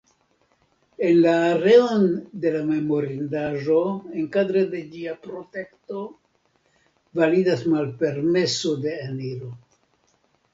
En la areon de la memorindaĵo enkadre de ĝia protekto validas malpermeso de eniro.